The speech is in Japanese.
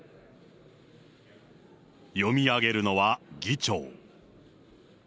読み上げるのは議長。